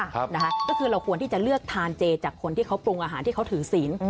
ก็คือเราควรที่จะเลือกทานเจจากคนที่เขาปรุงอาหารที่เขาถือศีล